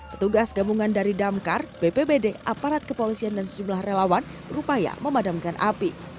petugas gabungan dari damkar bpbd aparat kepolisian dan sejumlah relawan berupaya memadamkan api